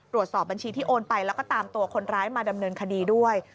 ตรวจสอบบัญชีที่โอนไปแล้วก็ตามตัวคนร้ายมาดำเนินคดีด้วย